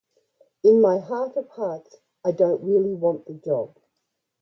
In my heart of hearts I didn't really want the job.